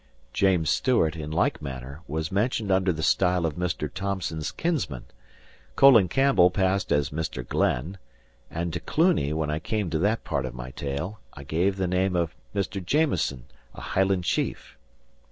James Stewart, in like manner, was mentioned under the style of Mr. Thomson's kinsman; Colin Campbell passed as a Mr. Glen; and to Cluny, when I came to that part of my tale, I gave the name of "Mr. Jameson, a Highland chief."